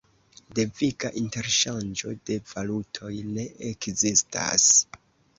Deviga interŝanĝo de valutoj ne ekzistas.